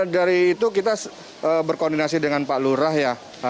dari itu kita berkoordinasi dengan pak lurah ya